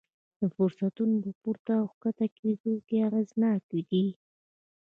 د فرصتونو په پورته او ښکته کېدو کې اغېزناک دي.